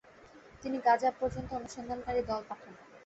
তিনি গাজা পর্যন্ত অনুসন্ধানকারী দল পাঠান।